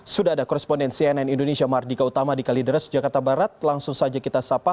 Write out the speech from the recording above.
sudah ada koresponden cnn indonesia mardika utama di kalideres jakarta barat langsung saja kita sapa